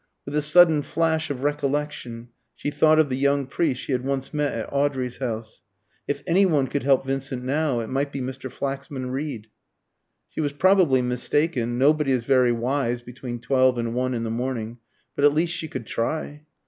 With a sudden flash of recollection she thought of the young priest she had once met at Audrey's house. If any one could help Vincent now, it might be Mr. Flaxman Reed. She was probably mistaken (nobody is very wise between twelve and one in the morning), but at least she could try.